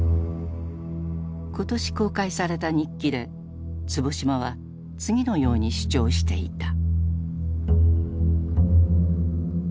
今年公開された日記で坪島は次のように主張していた。